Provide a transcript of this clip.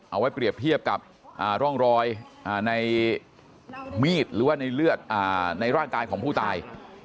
เอาไว้เปรียบเทียบกับร่องรอยในมีดหรือว่าในเลือดในร่างกายของผู้ตาย